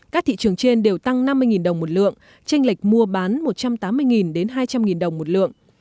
các thị trường trên đều tăng năm mươi đồng một lượng tranh lệch mua bán một trăm tám mươi đến hai trăm linh đồng một lượng